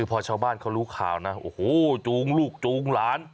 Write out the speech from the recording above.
พอชาวบ้านเขารู้ข่าวนะโอ้โหจูงลูกจูงหลาน